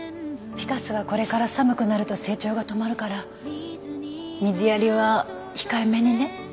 フィカスはこれから寒くなると成長が止まるから水やりは控えめにね。